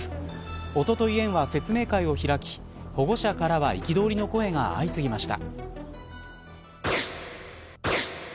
おととい園は、説明会を開き保護者からは憤りの声が相次ぎました。